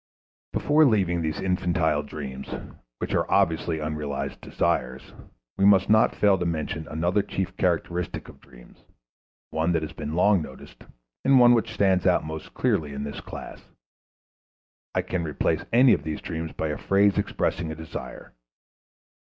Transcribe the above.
Before leaving these infantile dreams, which are obviously unrealized desires, we must not fail to mention another chief characteristic of dreams, one that has been long noticed, and one which stands out most clearly in this class. I can replace any of these dreams by a phrase expressing a desire.